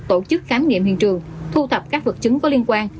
tổ chức khám nghiệm hiện trường thu thập các vật chứng có liên quan